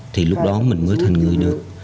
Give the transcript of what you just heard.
thì lúc đó mình mới thành người được